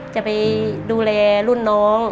จะไปดูแลรุ่นน้อง